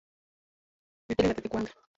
Vipele vya tetekuwanga